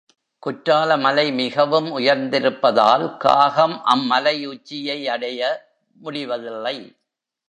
குற்றாலமலை மிகவும் உயர்ந்திருப்பதால், காகம் அம் மலையுச்சியையடைய முடிவதில்லை.